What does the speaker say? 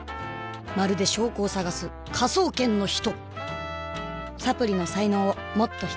まるで証拠を探す「科捜研の人」！！